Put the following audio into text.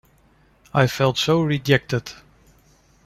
I felt so rejected.